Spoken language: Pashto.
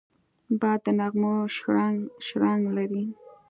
باد د نغمو شرنګ لري